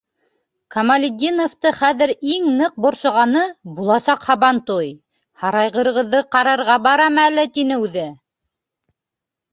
Камалетдиновты хәҙер иң ныҡ борсоғаны - буласаҡ һабантуй, «һарайғырығыҙҙы ҡарарға барам әле!» - тине үҙе!